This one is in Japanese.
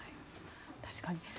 確かに。